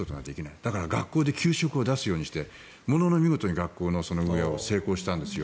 だから、学校で給食を出すことにしてものの見事に学校の運営を成功したんです。